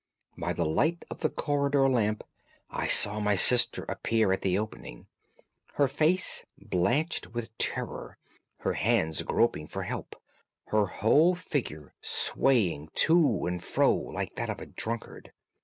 By the light of the corridor lamp I saw my sister appear at the opening, her face blanched with terror, her hands groping for help, her whole figure swaying to and fro like that of a drunkard.